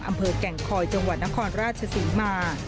อำเภอแก่งคอยจังหวัดนครราชศรีมา